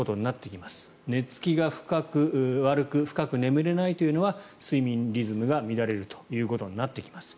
寝付きが悪く深く眠れないというのは睡眠リズムが乱れるということになってきます。